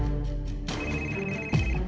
telepon bella telepon bella telepon bella sekarang